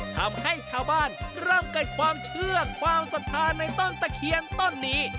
ทำให้ชาวบ้านเริ่มเกิดความเชื่อความศรัทธาในต้นตะเคียนต้นนี้